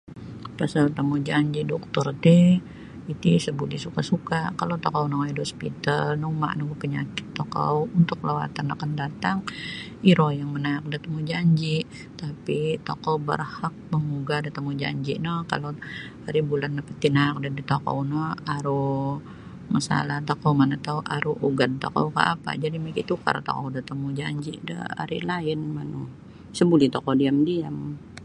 Pasal tamujanji' doktor ti iti isa buli suka'-suka' kalau tokou nongoi da hospital nauma' nogu panyakit tokou untuk lawatan akan datang iro yang manaak da tamujanji' tapi' tokou barhak mangugah da tamujanji' no kalau aribulan tinaak do da tokou no aru masalah tokou manatau' aru ugad tokou kah apa' jadi' mikitukar tokou da tamujanji da ari' lain manu isa buli tokou diam-diam.